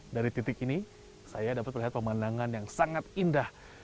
dari titik ini saya dapat melihat pemandangan yang sangat indah